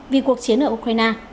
vì cuộc chiến ở ukraine